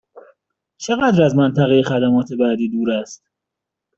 چقدر از منطقه خدمات بعدی دور است؟